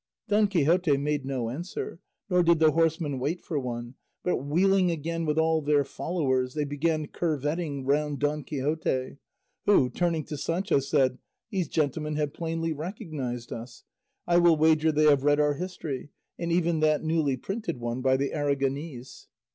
Don Quixote made no answer, nor did the horsemen wait for one, but wheeling again with all their followers, they began curvetting round Don Quixote, who, turning to Sancho, said, "These gentlemen have plainly recognised us; I will wager they have read our history, and even that newly printed one by the Aragonese."